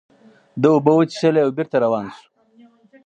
ده اوبه وڅښلې او بېرته روان شو.